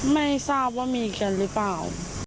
ไม่ทราบว่ามีกันหรือเปล่า